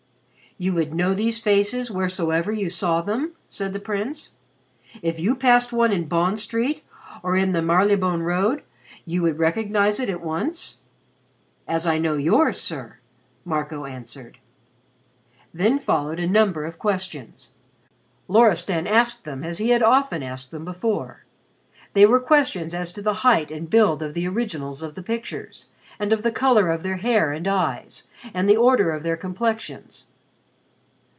"You would know these faces wheresoever you saw them?" said the Prince. "If you passed one in Bond Street or in the Marylebone Road, you would recognize it at once?" "As I know yours, sir," Marco answered. Then followed a number of questions. Loristan asked them as he had often asked them before. They were questions as to the height and build of the originals of the pictures, of the color of their hair and eyes, and the order of their complexions.